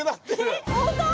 えっ本当？